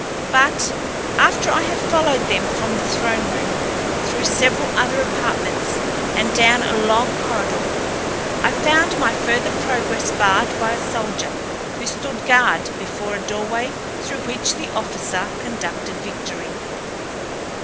But, after I had followed them from the throne room, through several other apartments, and down a long corridor, I found my further progress barred by a soldier who stood guard before a doorway through which the officer conducted Victory.